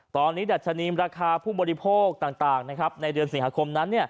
ตอนนี้ดัชนีมราคาผู้บริโภคต่างในเดือนสิงหาคมนั้น